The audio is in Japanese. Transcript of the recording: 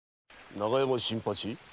永山新八。